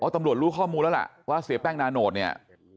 ตำรวจรู้ข้อมูลแล้วล่ะว่าเสียแป้งนาโนตเนี่ย